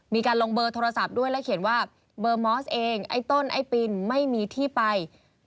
มีการลงเบอร์โทรศัพท์ด้วยแล้วเขียนว่าเบอร์มอสเองไอ้ต้นไอ้ปินไม่มีที่ไป